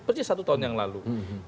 persis satu tahun yang lalu